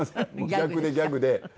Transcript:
「逆」で「ギャグ」で。